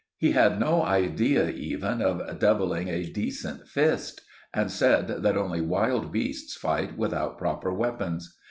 He had no idea even of doubling a decent fist, and said that only wild beasts fight without proper weapons.